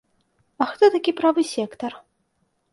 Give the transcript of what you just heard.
А хто такі правы сектар?